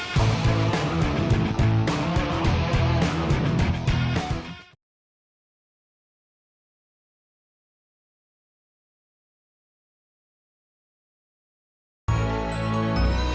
ya udah gak usah ngambek